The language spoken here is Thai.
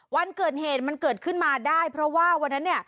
วันเกิดเหตุมันเกิดขึ้นมาได้เพราะว่าวันนั้นเนี่ย